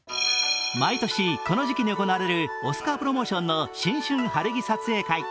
毎年この時期に行われるオスカープロモーションの新春晴れ着撮影会。